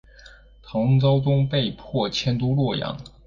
唐昭宗被迫迁都洛阳。